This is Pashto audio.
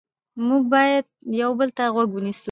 موږ باید یو بل ته غوږ ونیسو